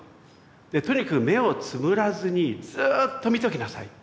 「とにかく目をつむらずにずっと見ときなさい。